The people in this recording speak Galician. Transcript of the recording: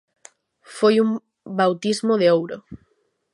Foi un bautismo de ouro.